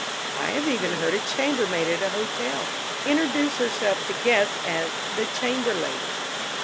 I have even heard a chambermaid at a hotel introduce herself to guests as "the chamber lady."